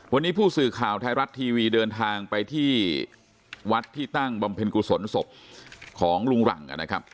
วันนี้ผู้สื่อข่าวไทยรัฐทีวีเดินทางไปที่วัดที่ตั้งบำเพ็ญกุศลศพของลุงหลังนะครับ